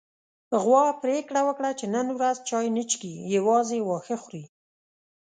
غوا پرېکړه وکړه چې نن ورځ چای نه څښي، يوازې واښه خوري.